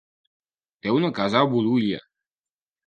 Té una casa a Bolulla.